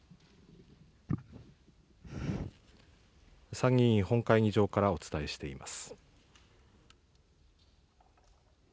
参議院本会議場からお伝えしています。